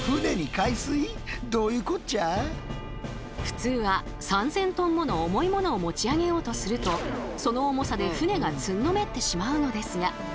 普通は３，０００ｔもの重いものを持ち上げようとするとその重さで船がつんのめってしまうのですが。